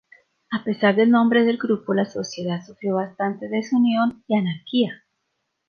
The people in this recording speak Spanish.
A pesar del nombre del grupo, la sociedad sufrió bastante desunión y anarquía.